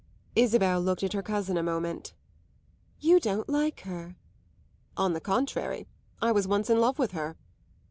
Isabel looked at her cousin a moment. "You don't like her." "On the contrary, I was once in love with her."